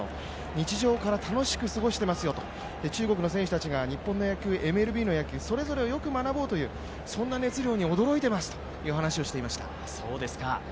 日常から楽しく過ごしていますよと、中国の選手たちが日本の野球、ＮＬＢの野球を学ぼうと、そんな熱量に驚いていますという話をしていました。